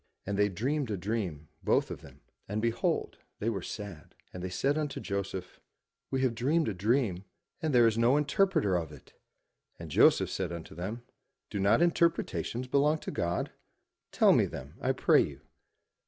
And they dreamed a dream both of them, and, behold, they were sad. And they said unto Joseph, "We have dreamed a dream, and there is no interpreter of it." And Joseph said unto them, "Do not interpretations belong to God? Tell me them, I pray you.'